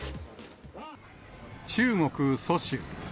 中国・蘇州。